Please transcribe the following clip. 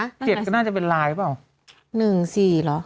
๗ก็น่าจะเป็นนั่นหรือเปล่า